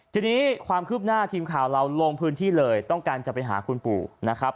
ทีนี้ความคืบหน้าทีมข่าวเราลงพื้นที่เลยต้องการจะไปหาคุณปู่นะครับ